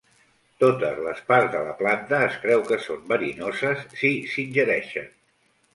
Totes les parts de la planta es creu que són verinoses si s'ingereixen.